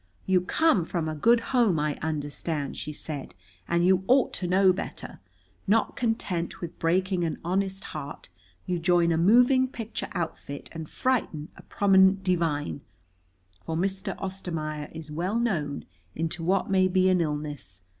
"You come from a good home, I understand," she said, "and you ought to know better. Not content with breaking an honest heart, you join a moving picture outfit and frighten a prominent divine for Mr. Ostermaier is well known into what may be an illness.